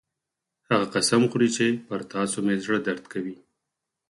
هغه قسم خوري چې پر تاسو مې زړه درد کوي